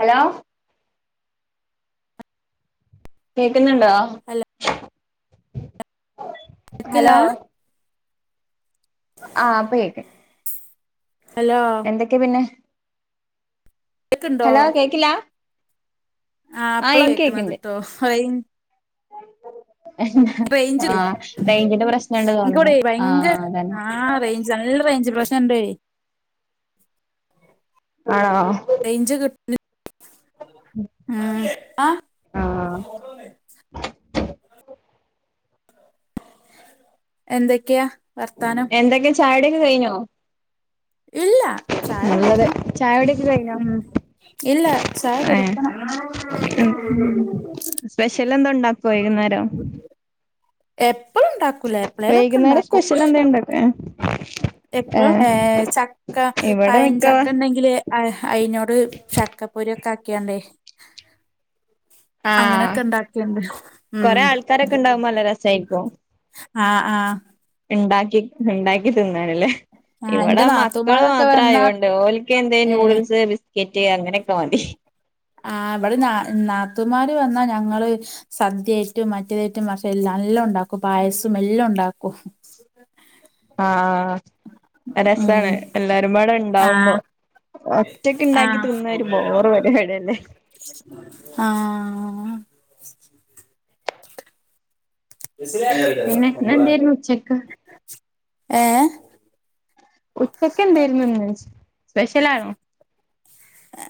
Hello. കേൾക്കുന്ന്ണ്ടോ? Hello കേക്കില്ല hello. ആഹ്‌ ഇപ്പം കേക്ക്ണ്ട്. ഹലോ എന്തക്കെ പിന്നെ? കേക്ക്ണ്ടോ ഹലോ കേൾക്ക്ല്ല്യാ? ആഹ്‌ ഇപ്പള കേക്കണത് കേട്ടോ റയ് റേഞ്ച് ആഹ്‌ റേഞ്ചിന്റെ പ്രശ്നണ്ട് തോന്നുന്നു. ആഹ്‌ അതന്നെ. ഞങ്ങടെ ഇവിടെ റേഞ്ച് പ്രശ്നണ്ടേ. ആണോ? റേഞ്ച് കി ഉം ആഹ്‌ അ. ആഹ്‌ എന്തക്കെയാ വർത്താനം? എന്തക്കേ ചായുടി ഒക്കെ കയിഞ്ഞോ? ഇല്ല ചായ നല്ലത് കുടിക്കണം. ചായുടിയൊക്കെ കഴിഞ്ഞോ ഉം ഇല്ല ചായ ഏഹ് കുടിക്കണം ഉം. സ്പെഷ്യൽ എന്തേണ്ടാക്കോ വൈകുന്നേരം? എപ്പളും ണ്ടാക്കു വൈകുന്നേരം സ്പെഷ്യൽ എന്തേണ്ടാക്കൊ? എപ്പഴും ഏ ചക്ക ഇവിടെ പയൻ മിക്കവാ ചക്ക ണ്ടെങ്കില്. ആ അയിനോട് ചക്കപ്പൊരി ഒക്കെ ആക്കിയാണ്ടേ. ആഹ് അങ്ങനോക്കെ ഉണ്ടാക്കിണ്ട് ഉം കൊറെ ആൾക്കാരൊക്കെ ഉണ്ടാവുമ്പോ നല്ല രസായിരിക്കും ആഹ് ആഹ്‌. ഇണ്ടാക്കി ണ്ടാക്കി തിന്നാണല്ലേ? ആഹ് ഇവടെ എന്റെ മക്കള് നാത്തൂമാരൊക്കെ വന്നാ മാത്രായോണ്ട് ഓൽക്ക് എന്തേം ഏഹ് നൂഡിൽസ്സ് ബിസ് കെറ്റ് അങ്ങനൊക്കെ മതി. ആ ബടിം ന നാത്തുമാര് വന്നാ ഞങ്ങള്. സദ്യയിട്ടും മറ്റേതായിട്ടും മർച്ച നല്ലോം ണ്ടാക്കും പായസും എല്ലും ണ്ടാക്കും. ആഹ്‌ രസാ ഉം ണ് എല്ലാരുംമ്പാടെ ഇണ്ടാവുമ്പോ. ആഹ് ഒറ്റക്ക് ണ്ടാക്കി തിന്ന ഒരു ബോറ് പരിപാടി അല്ലേ. ആഹ്‌ പിന്നെ ഇന്നെന്തേരുന്നു ഉച്ചക്ക് ഏഹ്‌. ഉച്ചക്ക് എന്തേര്ന്നു ന്ന് സ്പെഷ്യൽ ആണോ?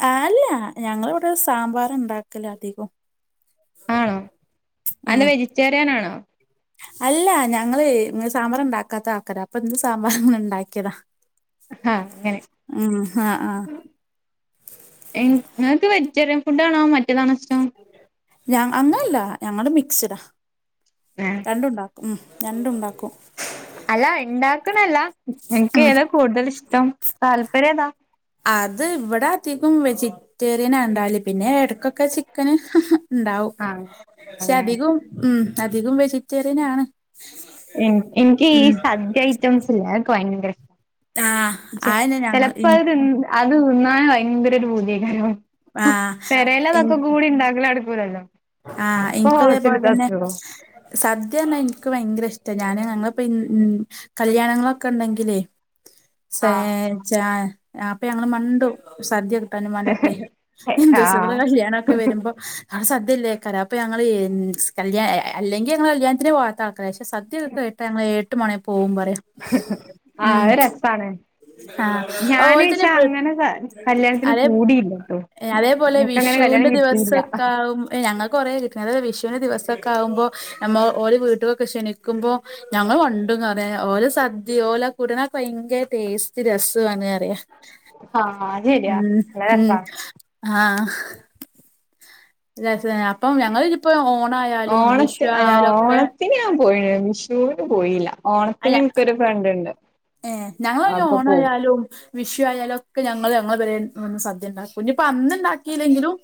ആ അല്ല ഞങ്ങള് വടെ സാമ്പാർ ണ്ടാക്കല അധികും. ആണോ അന്താ ഉം വെജിറ്റേറിയൻ ആണോ? അല്ല ഞങ്ങള് സാമ്പാർ ണ്ടാക്കാത്ത ആൾക്കാര അപ്പൊ ന്ന് സാമ്പാർ അങ്ങനെ ണ്ടാക്കിയതാ. ആഹ്‌ അങ്ങനെ. ആഹ് ആഹ് ങ്ങക്ക് വെജിറ്റേറിയൻ ഫുഡ് ആണോ മറ്റേതാണോ ഇഷ്ടം. ഞ അങ്ങനല്ല ഞങ്ങള് മിക്സ് ഡാ. ഏ രണ്ടു ണ്ടാക്കും ഉം രണ്ടു ണ്ടാക്കും. അല്ല ണ്ടാക്കണല്ല ങ്ങക്ക് ഉം ഏതാ കൂടുതൽ ഇഷ്ടം താല്പര്യം ഏതാ? അത് ഇവിടെ അധികും വെജിറ്റേറിയനാ ഇണ്ടാല് പിന്നെ എട്ക്കൊക്കെ ചിക്കന് ഇണ്ടാവും ആഹ് പക്ഷെ അങ്ങനെ അധികും ഉം അധികും വെജിറ്റേറിയനാണ് എഹ് ഇന്ക് ഈ സദ്യ ഐറ്റംസ്ല്ലേ അഒക്കെ ഭയങ്കര ഇഷ് ആഹ് ജെ അതെന്നെ ഞങ്ങൾ ചെലപ്പോ അഅ് ഇൻക്കും അത് തിന്നാൻ ഭയങ്കര ഒരു പൂതിയ്കാരം ആഹ് ഇൻ പെരേലതക്കകൂടി ഇണ്ടാക്കല് നടക്കൂലല്ലോ ആഹ് അപ്പൊ ഇനകു അതേപോലെ ഹോട്ടല്ത്തെ തന്നെ തിന്നോ സദ്യന്നാ ഇൻക്ക് ഭയങ്കര ഇഷ്ട ഞാന ഞങ്ങളിപ്പോൻ ൻ കല്യാണങ്ങളൊക്കെണ്ടെങ്കിലെ സേ ആഹ് ച്ചാ അപ്പ ഞങ്ങള് മണ്ടും സദ്യ ഇപ്പാന്റിംഇമ്മാന്റൊക്കെ ഹിന്ദുസ്കളെ ആഹ് കല്യാണൊക്കെ വരുമ്പോ ആ സ ദ്യ ഇല്ലേക്കാരം അപ്പ ഞങ്ങള് എൻസ് കല്ല്യ അല്ലെങ്കിൽ ഞങ്ങള് കല്യാണത്തിനെ പോവാത്ത സദൃയൊക്കെ കയിട്ട് ഞങ്ങള് ഏട്ട് മാണേം പോവും പറയാം ആഹ് രസാണ് ആഹ് ഓൽതന്നെ ഞാന്ച്ചാ പ്ര അങ്ങനെ കല്ല്യാണ്ത്ത്ന് അതേ കൂടില്ലട്ടോ അതേപോലെ വിഷുവിന്റെ ദിവസക്കാവും ഏ ഞങ്ങക്ക് കൊറേ കിട്ടിണ് അതായത് വിഷുന്റെ ദിവസൊക്കെ ആവുമ്പോ നമ്മോ ഓല് വീട്ടുകൊക്കെ ക്ഷണിക്കുമ്പോ ഞങ്ങള് മണ്ടും കൊറേ ഓല സദ്യ ഓല കൂട്ട്ണൊക്കെ ഭയങ്കര ടേസ്റ്റ് രസാണ് അറിയ ആര് ഉം ഉം ആഹ് [unintelligible] അപ്പം ഞങ്ങള് ഇഞ്പ്പ ഓണ ഓണത്തിന് ആ ഓണത്തിന് ഞാൻ പോയിണ് വിഷൂന് പോയീല്ല അയ ഏ ഞങ്ങള് അയ്നാ അപ്പൊ പോവും ഓണായാലും വിഷുയാലും ഒക്കെ ഞങ്ങള് ഞങ്ങളെ പെരേ സദ്യ ഇണ്ടാക്കും ഇഞ്ഞ്പ്പോ അന്ന് ഇണ്ടാക്കില്ലെങ്കിലും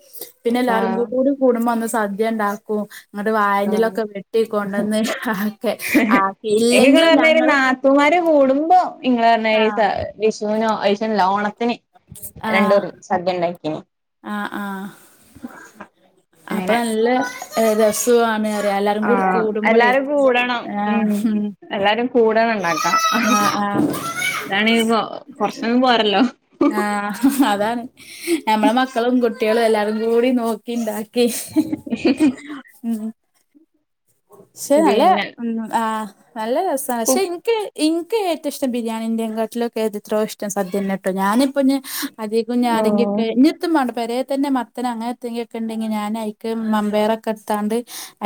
പിന്നെ എല്ലാരും ആഹ് കൂടി കൂടുമ്പോ അന്ന് സദ്യ ഇണ്ടാക്കും ഇന്നട്ട് ആഹ് വായന്റെലൊക്കെ വെട്ടിക്കൊകൊണ്ടന്ന് ആക്കെ ആക്കി എങ്കി ഇങ്ങള് ഇല്ലെങ്കിലും പറഞ്ഞാരി ഞങ്ങള് നാത്തൂമാര് കൂടുമ്പോ ഇങ്ങള്റ്ഞ്ഞായിരി ആഹ് സ വിഷുനോ അയിഷനില്ല ഓണത്തിന് ആഹ് രണ്ടുറി സദ്യ ഇണ്ടാക്കിനി ആഹ് ആഹ് അപ്പ അങ്ങനെ നല്ല രസു ആണ് ആഹ് എല്ലാരുംകൂടുമ്പളെ എല്ലാരും കൂടണം ആഹ് ഉം എല്ലാരും കൂടണം ഇണ്ടാക്കാ ആഹ് ആഹ് ഇതാണങ്കി കൊർച്ചൊന്നും പോരല്ലോ ആഹ് അതാണ് ഞമ്മള് മക്കളും കുട്ടിയളും എല്ലാരും കൂടി നോ ക്കി ഇണ്ടാക്കി ഉം പക്ഷെ നല്ല പിന്നെ ആഹ് നല്ല രസാണ് കു പക്ഷെ ഇൻക്ക് ഇന്ക് ഏറ്റംഇഷ്ടം ബിയാണിന്റെങ്ങാട്ടിലൊക്കെ എത്രോ ഇഷ്ടം സദ്യന്നെട്ടോ ഞാനിപ്പൊഞ്ഞ് അധികം ഉം ഞാരൊങ്കിക്കെ ഇഞ്ഞ് എത്തുംമാണ്ട പെരേതന്നെ മത്തന് അങ്ങനെത്തെങ്കിലൊക്കെ ഇണ്ടെങ്കി ഞാൻ അയ്ക്ക് മമ്പയ്റൊക്കെ ഇട്ടാണ്ട്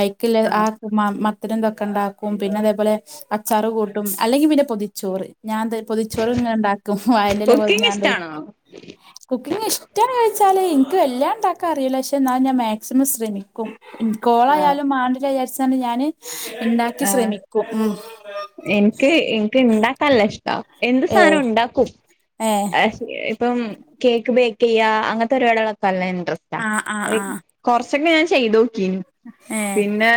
അയി ക്ക്ല്ല ആ ആഹ് മ മത്തിന് ഇതൊക്കെണ്ടാക്കും പിന്നെ അതേപോലെ അച്ചാറ് കൂട്ടും അല്ലെങ്കിപിന്നെ പൊതിച്ചോറ് ഞാൻത് പൊതിച്ചോറ് ഇങ്ങനെ ഇണ്ടാക്കും വായന്റെലെ കുക്കിംഗ് പൊതിഞ്ഞാണ്ട് ഇഷ്ടാണോ? കുക്കിങ് ഇഷ്ട്ടാണോ ചോയിച്ചാല് ഇന്ക് വല്ല്യാണ്ടാക്കാ അറീല പക്ഷേ ഇന്നാലും ഞാൻ മാക്സിമം ശ്രമിക്കും ആഹ് കോളായാലും മാണ്ടില്ലാ വിചാരിച്ചാണ്ട് ഞാന് ഇണ്ടാക്കി ശ്രമിക്കും ഉം ഇന്ക് ഇന്ക് ഇണ്ടാക്കാനല്ല ഇഷ്ടാ എന്ത് സാനും ഏഹ് ഉണ്ടാക്കും ഏഹ് പ ഇപ്പം കേക്ക് ബേക്ക്യ്യ അങ്ങത്തെ പരിപാടികളൊക്കെ നല്ല ഇൻട്രസ്റ്റാ ആഹ് ആഹ് അ ആഹ് കൊറച്ചൊക്കെ ഞാൻ ചെയ്തോക്കീനി ഏഹ് പിന്നെ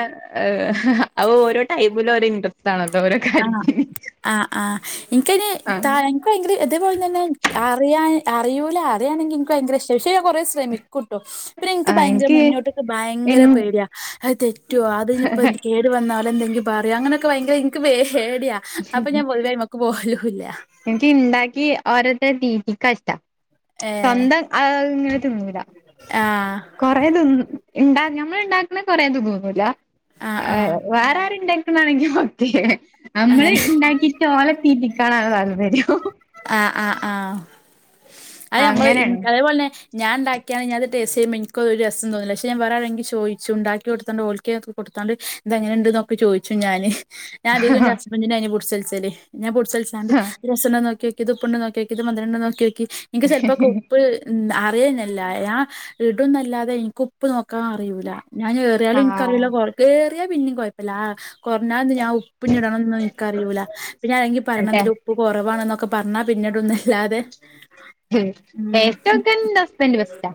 അഅ് ഓരോ ടൈമില് ഒര് ഇൻഡ്രസ്റ്റ് ആണല്ലോ ഓരോ ആഹ് കാര്യത്തിന് ആഹ് ആഹ് ഇൻകയിന് താ ആഹ് ഇന്ക് ഭയങ്കര ഇതേപോലെ തന്നെ അറിയാന് അറിയൂല അറിയാണെങ്കിൽ ഇന്ക് ഭയങ്കര ഇഷ്ട പക്ഷെ ഞാ കുറെശ്രമിക്കൂട്ടോ പിന്നെ ഇന്ക് ആഹ് ഭയങ്കര എനിക്ക് മുന്നോട്ട്ക്ക് ഭയങ്കര പേടിയാ അഅ് തെറ്റോ അത്ഞ്പ്പോ എ കേടു വന്നാലെ എന്തെങ്കും പറയോ അങ്ങനെയൊക്കെ ഭയങ്കര എനിക്ക് പേടിയാ അപ്പൊ ഞാൻ പൊതുവായി മൊത്തം പോലുല്ല എനക്ക് ഇണ്ടാക്കി ഓരോരുത്തരെ തീറ്റിക്കാ ഇഷ്ടാ ഏഹ് സ്വന്തം ആ ഇങ്ങനെ തിന്നൂല ആഹ് കൊറെേ ഉണ്ടാകുന്നതു നമ്മൾ ഉണ്ടാക്കുന്ന കൊറെേതു തുന്നൂല്ല ആഹ് ആഹ് വേറെ ആരുണ്ടെങ്ക ണെങ്ക ഓക്കെ നമ്മള് അങ്ങനെ ഉണ്ടാക്കിട്ട് ഓലെ തീറ്റിക്കാുള്ള തല്പര്യോ ആഹ് ആഹ് ആഹ് അത് നമ്മള് അതേപോലെന്നെ ഞാൻ ഉണ്ടാക്കിയാണ് ഞ അത് ടേസ് ചെയുമ്പോ എനിക്ക് ഒരു രസം തോന്നില്ല പക്ഷ വേറാ രാണെങ്കിൽ ചോദിച്ചു ഉണ്ടാക്കി കൊടുത്താണ്ട് കൊടുത്താണ്ട് ഇന്തെങ്ങനെ ഉണ്ട് എന്നൊക്കെ ചോദിച്ചു ഞാന് ഞാ അധികം എന്റെ അങ്ങനെയാണ് ഹസ്ബൻറിന്റെ അതിനെ കുറിച്ച് ഞാൻ ടിച്ചണ്ട് ഇതു രസമുണ്ടോ എന്ന് നോക്കി ഇത് ഉപ്പ്‌ ഉണ്ട് നോക്കിനോക്കിക്കേ ഇത് മധു രമുണ്ടോ നോക്കിനോക്കിക്കേ ഇനിക്ക് ചിലപ്പോെ ഉപ്പ് ഉ അറിയുന്നില്ല ഞാൻ ഇടുന്നല്ലാതെ എനിക്ക് ഉപ്പ് നോക്കാൻ അറിയുല്ല ഞാൻ അറിയാലും ആഹ് എനിക്കറിയില്ലയറിയാ ഏറിയാൽ പിന്നെയും കുഴപ്പമില്ല കൊറഞ്ഞാൽ ഞാൻ പിന്നീടാണോ ഒന്നും എനിക്കു അറിയൂലാ പിന്നെ അല്ലെങ്കി പറഞ്ഞണം ഇതിൽ ഉപ്പ് കുറവാണ എന്നൊക്കെ പറഞ്ഞാ പിന്നീട ഒന്ന് അല്ലാതെ ടേസ്റ്റ് നോക്കാൻ എന്റെ ഹസ്ബൻഡ് ബെസ്റ്റാ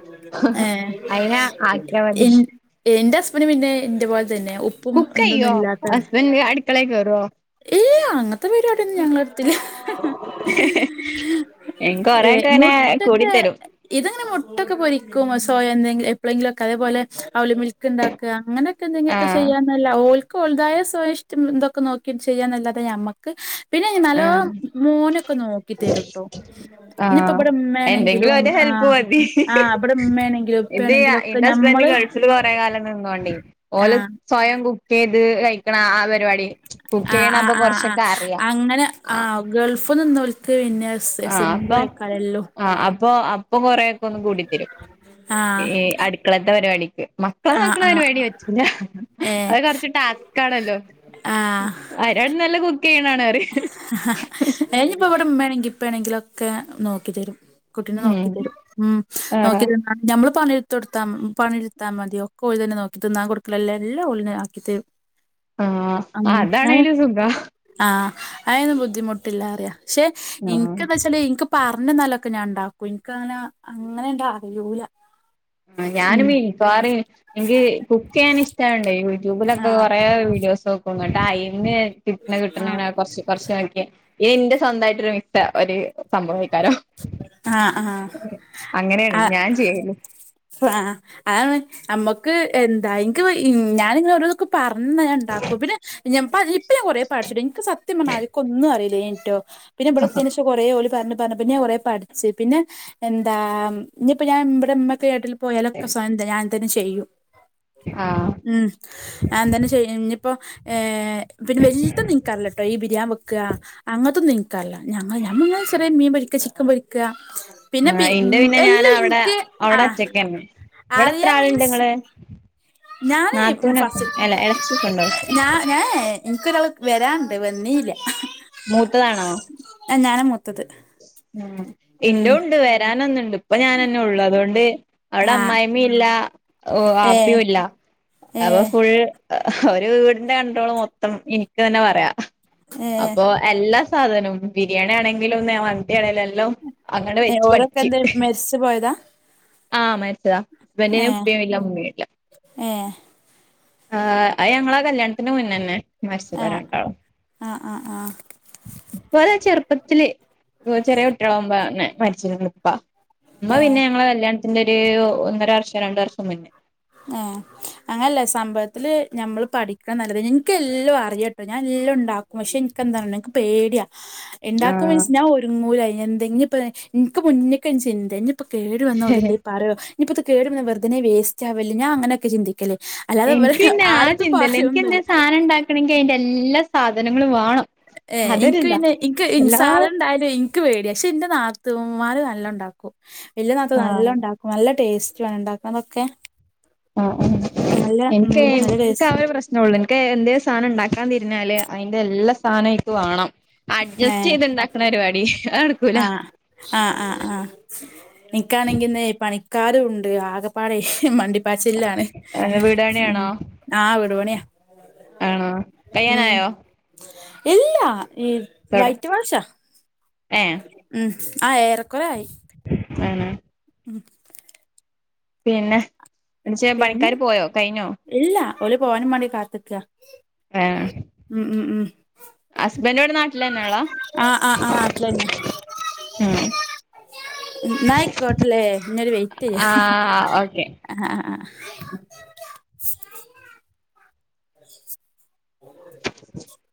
ഏ അയിനു ആക്കിയാൽ മതി എൻ എന്റെ ഹസ്ബൻഡിനു പിന്നെ എന്റെപോലെ തന്നെയാ ഉ കുക്കുചെയ്യുവോ ഹസ്ബൻഡ് അടുക്കളയിൽ കയറുവോ ഇല്ല അങ്ങനത്തെ പരിപാടിയൊന്നും ഞങ്ങളെടുത്തില്ല എനിക്ക് ഏഹ് കൊറെയൊക്കെ ഇങ്ങനെ മുട്ടൊക്കെ കൂടിത്തരും ഇതങ്ങനെ മുട്ടൊക്കെ പൊരിക്കും സോയ എന്തെങ്കിലും എപ്പൊളെങ്കിലും ഒക്കെ അതു പോലെ അവല് മിൽക്ക് ഉണ്ടാ അങ്ങനൊക്കെ എന്തെങ്കിലൊക്കെ ആഹ് ചെയ്യാന്നല്ല ഓൾക്ക് ഓളുടേതായ സ്വയ ഇഷ്ടങ്ങള് എന്തൊക്കെ നോ ചെയ്യാനല്ലാതെ നമ്മക്ക് പിന്നെ നല്ലോണം ആഹ് മോനൊക്കെ നോക്കി തരൂട്ടോ ഇനിയിപ്പോ ആഹ് ഇവിടെ എന്തെങ്കിലും ഉമ്മാണെങ്കിലും ഒരു ഹെൽപ്പ് ആഹ് മതി ആഹ് അവിടെ ഉമ്മ ആണെങ്കിലും ഉപ്പ ഇത് ആണെങ്കിലും ഒക്കെ എന്റെ ഹസ്ബൻഡ് നമ്മള് ഗൾഫില് കൊറെ കാലം നിന്നോണ്ടേ ഓല് ആഹ് സ്വയം കുക്ക് ചെയ്ത് കഴിക്കണം ആഹ് പരിപാടി കുക്ക് ആഹ് ചെയ്യണെ ആഹ് അപ്പൊ ആഹ് ആഹ് കൊറച്ചൊക്കെ അറിയാം അങ്ങനെ ആഹ് ഗൾഫ്ന്ന് ഇന്ന് വിളിച്ച്കഴിഞ്ഞാൽ ആഹ് അപ്പൊ ആഹ് അപ്പൊ ഇപ്പൊ കൊറെയൊക്കെ ഒന്ന് കൂടിത്തരും ആഹ് ഈ അടുക്കളത്തെ പരിപാടിക്ക് ഇപ്പ ആഹ് നോക്കണതിന് ആഹ് വേടി വെച്ചില്ല അത് ഏഹ് കൊറ ച്ച് ടാസ്ക് ആണല്ലോ ആഹ് അതിനായിട്ട് നല്ലേ കുക്ക് ചെയ്യുന്നെയാണ് അയിനിപ്പോ ഇവിടെ ഇമ്മയാണെമെങ്കിലും ഇപ്പയാണെങ്കിലും ഒക്കെ നോക്കി തരും കുട്ടിയിനെ നോക്കി ഉം തരും ഉം നോക്കി ത ആഹ് ഞമ്മള് പണിയെടുത്ത് കൊടുത്താ പണിെടുത്താൽ മതി ഒക്കെ അവര് തന്നെ നോക്കി തിന്നാൻ കൊടുക്കല് എല്ലാം ഓള് ആക്കി തരും ആഹ് അങ്ങ് [unintelligible] [unintelligible] ആഹ് അതൊന്നും ബുദ്ധിമുട്ടില്ല അറിയാം പക്ഷെ ആഹ് എനിക്കെന്താ വെച്ചാ എനക്ക് പറഞ്ഞന്നാലൊക്കെ ഞാൻ ഉണ്ടാക്കും എനിക്കങ്ങനെ അങ്ങനെ ഉണ്ടാ അറിയൂല ആഹ് ഞാനും ഉം മി എനിക്ക് കുക്ക് ചെയ്യാൻ ഇഷ്ടവാണ്ടെ യൂട്യൂബിലൊക്കെ ആഹ് കൊറെ വീഡിയോസൊ ങ്ങോട്ട് ആയിന്ന് കിട്ടണ കിട്ടണ ആഹ് കൊറച്ച് കൊറച്ച് നോക്കിയാ എന്റെ സ്വന്തമായിട്ടൊരു മിക്സ്‌ ഒരു സംഭവമിട്ടാലോ ആഹ് ആഹ് അങ്ങനെയാണ് ഞാൻ ആഹ് ചെയ്യല് ആഹ് അതാണ് നമ്മക്ക് എന്താ എനിക്ക് ഞാനിങ്ങനെ ഓരോന്നൊക്കെ പറഞ്ഞ് തന്നാ ഞാൻഉണ്ടാക്കും പിന്നെ ഞാൻ ഇപ്പൊ ഞാ കൊറെ പഠിച്ചിട്ടു എനിക്ക് സത്യം പറഞ്ഞാ എനിക്കൊന്നും അറിയില്ലാട്ടോ പിന്നെ ഇവിടെത്തീയേന് ശേ എനിക്ക് കൊറേ ഓല് പറഞ്ഞ് പറഞ്ഞ് ഞാൻ കൊറെ പഠിച്ചു പിന്നെ എന്താ ഇനിയിപ്പൊ ഞാൻ ഇവിടെ കേട്ടിൽ പോയാലൊക്കെ സ്വയവെന്തെങ്കിലും ഞാൻ തന്നെ ചെയ്യും ആഹ് ഉം ഞാൻ എന്തായാ ഇന്നിയിപ്പോ ഏഹ് പിന്നെ വലുതു നിക്കറല്ലട്ടോ ഈ ബിരിയാണി വെക്കുക അങ്ങനത്തൊന്നും എനക്കറീല ഞങ്ങ ഞമ്മളിങ്ങനെ ചെറിയ മീൻ പൊരിക്കാ ചിക്കൻ പൊരിക്കാ പിന്നെ ബി ആഹ് ഇന്റെ പിന്നെ ഞാൻ എല്ലാം അവിടെ എനിക്ക് അവിടെ ആഹ് ഒറ്റക്കന്നെ ഇവിടെ എത്ര അറിയാ ആളുണ്ട് മീൻസ് ഇങ്ങള് ഞാനേ നാത്തൂനൊക്കെ ഫസ് അല്ല ഇളച്ചിയൊക്കെ ഉണ്ടോ ഞാ ഞാനേ എനിക്ക് ഒരാള് വരാണ്ട് വന്നീല്ല മൂത്തതാണോ ആഹ് ഞാനാ മൂത്തത് ഉം എന്റെ ഉം ഉണ്ട് വരാന് ഒന്നുണ്ട് ഇപ്പൊ ഞാനൊന്നെ ഉള്ളു അതുകൊണ്ട് അവിടെ ആഹ് അമ്മായി യമ്മില്ല ഓഹ് ഏഹ് വാപ്പിയുംല്ല അപ്പൊ ഏഹ് ഫുൾ ഒരു വീടിന്റെ കണ്ട്രോള് മൊത്തം എനിക്ക് തന്നെ പറയാ ഏഹ് അപ്പൊ എല്ലാ സാധനോം ബിരിയാണി ആണെങ്കിലും ന്തിയാണേലെല്ലും അങ്ങനെ ഏഹ് വെച്ച് ഓരൊക്കെ പഠിച്ചു. എന്ത് മരിച്ചു പോയതാ ആഹ് മരിച്ചതാ ഹസ്ബൻഡിന് ഏഹ് ഉപ്പയും ഇല്ല ഉമ്മയും ഇല്ല ഏഹ് ആഹ് അത് ഞങ്ങളെ കല്യാണത്തിന് മുന്നേ തന്നെ മരിച്ചതാ ആഹ് രണ്ടാളും ആഹ് ആഹ് ആഹ് ഓലെ ചെറുപ്പത്തില് ചെറിയ കുട്ടികളാകുമ്പോതന്നെ മരിച്ചീക്കണ് ഉപ്പ ഉമ്മ ഏഹ് പിന്നെ ഞങ്ങളെ കല്യാണ എന്റൊരു ഒന്നര വർഷം രണ്ടു വർഷം മുന്നേ ആഹ് അങ്ങനെയല്ല സംഭവത്തില് ഞമ്മള് പഠിക്കണതാ നല്ലത് എനിക്ക് എല്ലാം അറിയാട്ടോ ഞാൻ എല്ലാം ഇണ്ടാക്കും പക്ഷെ എനിക്കെന്താന്നറില ഇനിക്ക് പേടിയ ഇണ്ടാക്കും ആഹ് മീൻസ് ഞാൻ ഒരുങ്ങൂല എന്തെങ്കിപ്പോ ഇനിക്ക് മുന്നക്കാരു ചിന്താ ഇപ്പൊ കേടുവന്ന ഓലെന്തെങ്കിലും പറയോ ഇനിപ്പ ഇത് കേടുവന്ന വെറ്തനെ വേസ്റ്റ് ആവല്ലെ ഞാൻ അങ്ങനെയൊക്കെ ചിന്തിക്കല് അല്ലാതെ ഇവര് ഇനിക്ക് പിന്നെ ആ ആരടുത്തും ചിന്തയില്ല ഇനിക്ക് എന്തേ പറയൊന്നുല്ല സാധനം ഉണ്ടാക്കണെങ്കിൽ അയിന്റെ എല്ലാ സാധനങ്ങളും വേണം ഏഹ ഇനിക്ക് അതൊരിതാ പിന്നെ ഇനിക്ക് എല്ലാ സാധനം ഉണ്ടായാലും ഇനിക്ക് പേടിയ പക്ഷെ ഇന്റെ നാത്തൂന്മാര് നല്ലം ഇണ്ടാക്കും വല്യ നാത്തൂന് ആഹ് നല്ലം ആഹ് ഇണ്ടാക്കും നല്ല ടേസ്റ്റ് ആണ് ഉണ്ടാക്കുന്നതൊക്കെ ആഹ്‌ ആഹ്‌ ഉം എനിക്ക് നല്ല എനിക്ക് ആ ടേസ്റ്റും ഒരു പ്രശ്ന ള്ളൂ എനിക്ക് എന്തേം സാധനം ഉണ്ടാക്കാൻ തിരിഞ്ഞാല് അതിന്റെ എല്ലാ സാധനവും അയിക്ക് വാണം അഡ്ജസ്റ്റ് ചെയ്ത് ഉണ്ടാക്കണ പരിപാടി അതടക്കൂല ആഹ ആഹ് ആഹ് ആഹ എനിക്കാണെങ്കി ഇന്ന് പണിക്കാരും ഉണ്ട് ആകപ്പാടെ മണ്ടി പാച്ചിൽലാണ് വീടാണിയാണോ ആ വിടുപണിയാ ആണോ ഉം കഴിയാനായോ ഇല്ല ഈ വൈറ്റ് വാഷ ഏഹ്‌ ഉം ആ ഏറെക്കുറെ ആയി ആണ് ഉം പിന്നെ എന്നിട്ട് പിന്നെ പണിക്കാര് പോയോ കഴിഞ്ഞോ ഇല്ല ഓല് പോവാനും വേണ്ടി കാത്ത്ക്ക ഏഹ് ഉം ഉം ഉം ഹസ്ബൻഡ് ഇവിടെ നാട്ട ആഹ ആഹ് ആഹ് നാട്ടിലെന്നയാ ഇന്നാ ആയിക്കോട്ടലെ ഇന്നെ ഓല് വെയ്റ്റ് ചെയ്യ ആഹ് ഓക്കെ ആ [unintelligible]